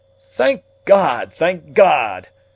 "Thank God! thank God!"